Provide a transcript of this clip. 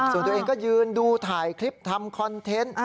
ส่วนตัวเองก็ยืนดูถ่ายคลิปทำคอนเทนต์